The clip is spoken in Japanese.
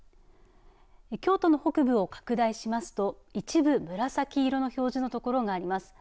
京都の北部を拡大しますと一部、紫色の表示のところがあります。